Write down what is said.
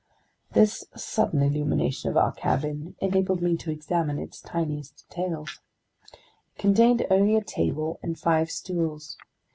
This sudden illumination of our cabin enabled me to examine its tiniest details. It contained only a table and five stools.